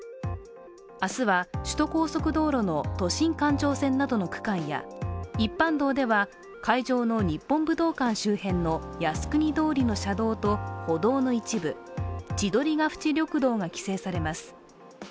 明日は首都高速道路の都心環状線などの区間や一般道では、会場の日本武道館周辺の靖国通りの車両と歩道の一部千鳥ケ淵緑道が規制されます。